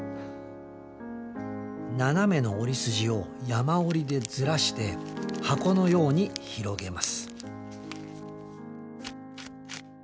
斜めの折り筋を山折りでずらして箱のように広げます。